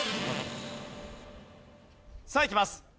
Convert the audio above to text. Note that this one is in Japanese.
さあいきます。